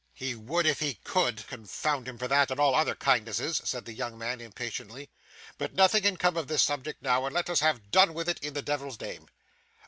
'He would if he could, confound him for that and all other kindnesses,' said the young man impatiently. 'But nothing can come of this subject now, and let us have done with it in the Devil's name.